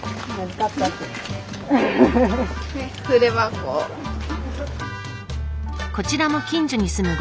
こちらも近所に住むご家族。